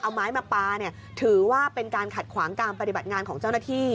เอาไม้มาปลาเนี่ยถือว่าเป็นการขัดขวางการปฏิบัติงานของเจ้าหน้าที่